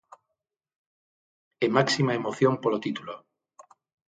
E máxima emoción polo título.